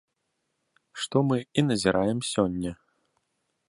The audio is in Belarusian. Што мы і назіраем сёння.